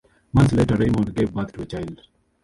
Months later Raymonde gave birth to a child.